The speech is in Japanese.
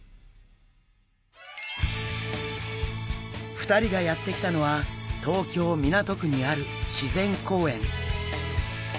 ２人がやって来たのは東京・港区にある自然公園。